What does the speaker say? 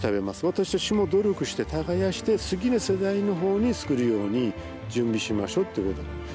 私たちも努力して耕して次の世代の方に作るように準備しましょうってことなんです。